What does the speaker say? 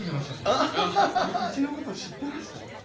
うちのこと知ってました？